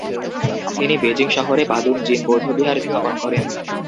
তিনি বেজিং শহরে পাদুন জিন বৌদ্ধবিহার স্থাপন করেন।